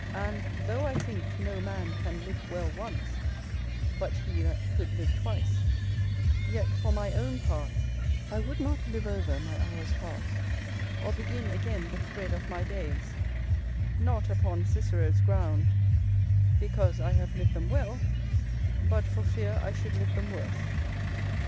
And, though I think no man can live well once, but he that could live twice, yet, for my own part, I would not live over my hours past, or begin again the thread of my days; not upon Cicero's ground,[L] because I have lived them well, but for fear I should live them worse.